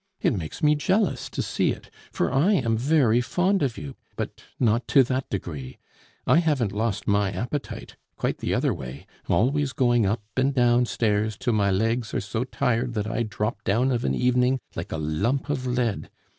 It makes me jealous to see it, for I am very fond of you; but not to that degree; I haven't lost my appetite, quite the other way; always going up and down stairs, till my legs are so tired that I drop down of an evening like a lump of lead.